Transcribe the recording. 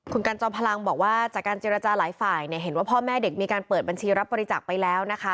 คุณกันจอมพลังบอกว่าจากการเจรจาหลายฝ่ายเห็นว่าพ่อแม่เด็กมีการเปิดบัญชีรับบริจาคไปแล้วนะคะ